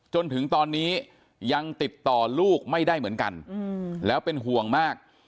จนถึงตอนนี้ยังติดต่อลูกไม่ได้เหมือนกันแล้วเป็นห่วงมาก